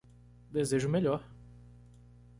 Desejo o melhor!